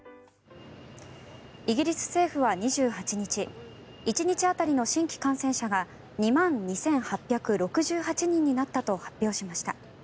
イギリス政府は２８日１日当たりの新規感染者が２万２８６８人になったと発表しました。